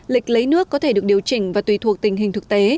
lịch lấy nước có thể được điều chỉnh và tùy thuộc tình hình thực tế